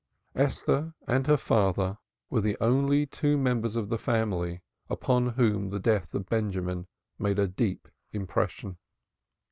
Esther and her father were the only two members of the family upon whom the death of Benjamin made a deep impression.